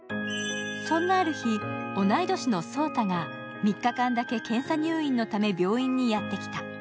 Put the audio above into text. そんなある日、同い年の荘太が３日間だけ検査入院のため病院にやってきた。